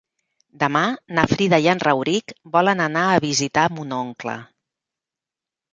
Demà na Frida i en Rauric volen anar a visitar mon oncle.